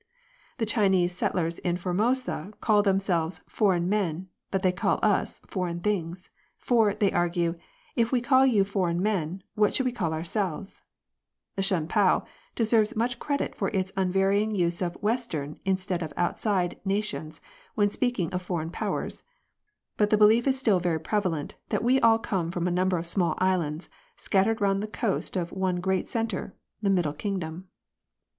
The Chinese settlers in Formosa call them selves "foreign men,'' but they call us " foreign things ;" for, they argue, if we called you foreign men, what should we call ourselves ? The Shun pao deserves much credit for its unvarying use of western instead of out side nations when speaking of foreign powers, but the belief is still very prevalent that we all come from a number of small islands scattered round the coast of one great centre, the Middle Kingdom.